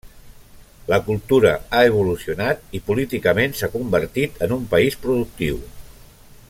La cultura ha evolucionat i políticament s'ha convertit en un país productiu.